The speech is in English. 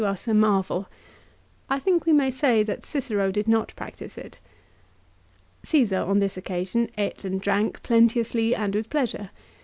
203 us a marvel. I think we may say that Cicero did not practise it. Csesar, on this occasion, ate and drank plenteously and with pleasure.